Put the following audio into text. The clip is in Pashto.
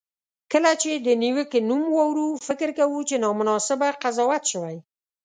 کله چې د نیوکې نوم واورو، فکر کوو چې نامناسبه قضاوت شوی.